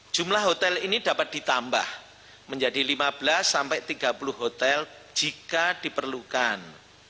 jumlah hotel ini dapat ditambah menjadi lima belas sampai tiga puluh hotel jika diperlukan